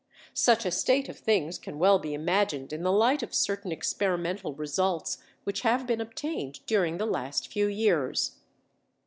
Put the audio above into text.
Such a state of things can well be imagined in the light of certain experimental results which have been obtained during the last few years.